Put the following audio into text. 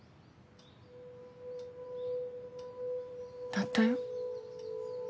鳴ったよ？